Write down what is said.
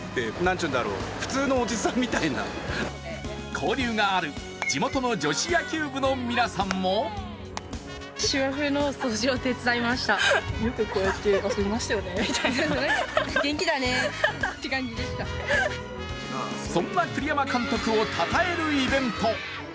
交流がある地元の女子野球部の皆さんもそんな栗山監督を称えるイベント。